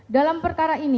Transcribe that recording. dalam perkara ini